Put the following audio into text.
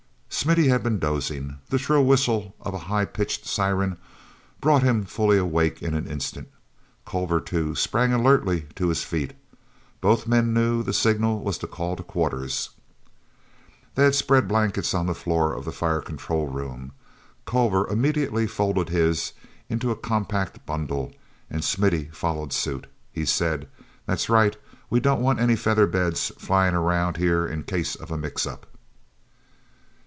mithy had been dozing. The shrill whistle of a high pitched siren brought him fully awake in an instant. Culver, too, sprang alertly to his feet. Both men knew the signal was the call to quarters. They had spread blankets on the floor of the fire control room. Culver immediately folded his into a compact bundle, and Smithy followed suit, as he said: "That's right; we don't want any feather beds flying around here in case of a mix up."